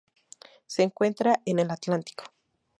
Se encuentra en el Atlántico.